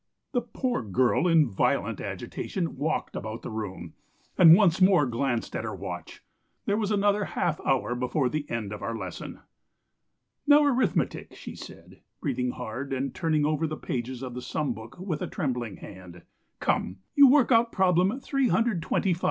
...' "The poor girl in violent agitation walked about the room, and once more glanced at her watch. There was another half hour before the end of our lesson. "'Now arithmetic,' she said, breathing hard and turning over the pages of the sum book with a trembling hand. 'Come, you work out problem 325 and I .